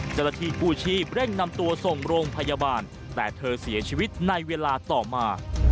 เจ้าหน้าที่กู้ชีพเร่งนำตัวส่งโรงพยาบาลแต่เธอเสียชีวิตในเวลาต่อมา